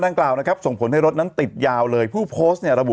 กล่าวนะครับส่งผลให้รถนั้นติดยาวเลยผู้โพสต์เนี่ยระบุ